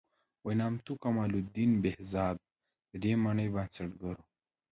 نامتو کمال الدین بهزاد د دې مانۍ بنسټګر و.